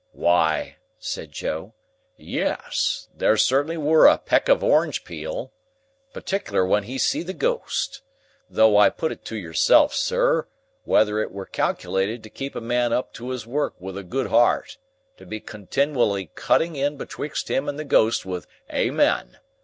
"Why," said Joe, "yes, there certainly were a peck of orange peel. Partickler when he see the ghost. Though I put it to yourself, sir, whether it were calc'lated to keep a man up to his work with a good hart, to be continiwally cutting in betwixt him and the Ghost with "Amen!"